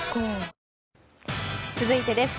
続いてです。